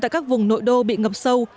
tại các vùng nội đô bị ngập sâu